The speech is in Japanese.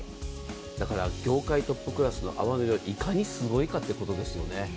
だから業界トップクラスの泡はいかにすごいかということですよね。